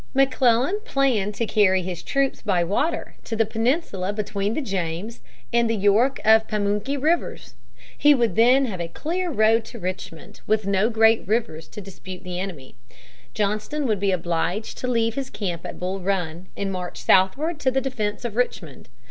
McClellan planned to carry his troops by water to the peninsula between the James and the York and Pamunkey rivers. He would then have a clear road to Richmond, with no great rivers to dispute with the enemy. Johnston would be obliged to leave his camp at Bull Run and march southward to the defense of Richmond.